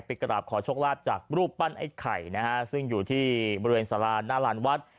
กราบขอโชคลาภจากรูปปั้นไอ้ไข่นะฮะซึ่งอยู่ที่บริเวณสาราหน้าลานวัด